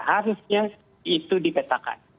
harusnya itu dipetakan